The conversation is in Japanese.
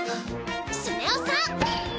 スネ夫さん！